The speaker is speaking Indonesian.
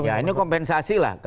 ya ini kompensasi lah